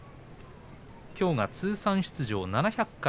きょうが通算出場７００回。